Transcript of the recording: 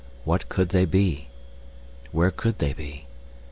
What could they be? Where could they be?